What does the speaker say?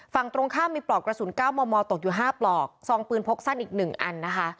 ฝั่งตรงข้ามมีปลอกกระสุนก้าวมอมมอตกอยู่ห้าปลอกซองปืนพกสั้นอีกหนึ่งอันนะคะ